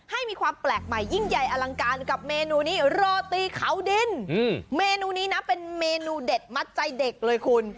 ให้มีความแปลกใหม่ยิ่งใหญ่อลังการกับเมนูนี้โรตีเขาดินเมนูนี้นะเป็นเมนูเด็ดมัดใจเด็กเลยคุณ